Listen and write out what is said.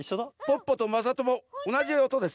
ポッポとまさともおなじおとです。